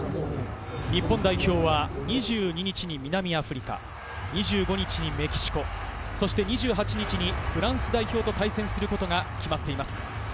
日本代表は２２日に南アフリカ、２５日にメキシコ、２８日にフランス代表と対戦することが決まっています。